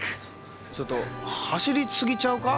ちょっと走り過ぎちゃうか？